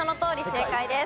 正解です。